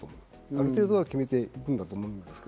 ある程度は決めていくんだと思います。